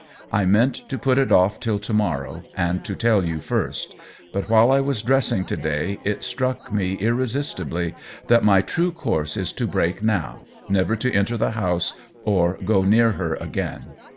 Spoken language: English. I meant to put it off till to morrow, and to tell you first ; but while I was dress ing to day it struck me irresistibly that my true course is to break now — never to enter the house or go near her again.